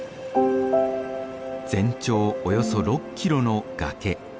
全長およそ６キロの崖。